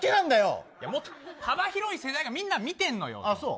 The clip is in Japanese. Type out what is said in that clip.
もっと幅広い世代がみんな見てんのよ。